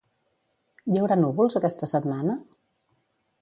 Hi haurà núvols aquesta setmana?